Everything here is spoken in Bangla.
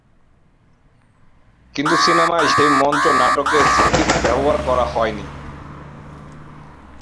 কিন্তু সিনেমায় সেই মঞ্চ নাটকের স্ক্রিপ্ট ব্যবহার করা হয়নি।